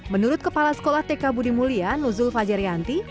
menurut kepala sekolah tk budi mulia nuzul fajaryanti